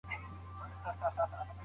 مچان کومي ناروغۍ لیږدوي؟